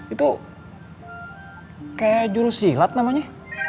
itu kayak juru silat namanya